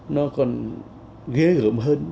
nó còn ghê gợm hơn